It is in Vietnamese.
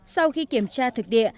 sau khi kiểm tra thực địa